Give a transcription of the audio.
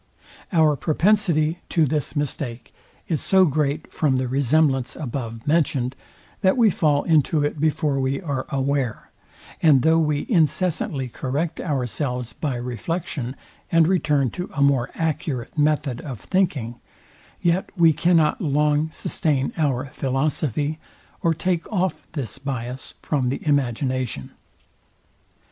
Our propensity to this mistake is so great from the resemblance above mentioned, that we fall into it before we are aware; and though we incessantly correct ourselves by reflection, and return to a more accurate method of thinking, yet we cannot long sustain our philosophy, or take off this biass from the imagination.